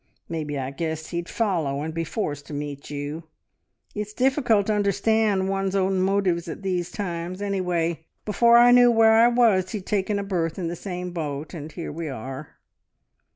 Maybe I guessed he'd follow and be forced to meet you. It's difficult to understand one's own motives at these times. Anyway, before I knew where I was he'd taken a berth in the same boat, and here we are!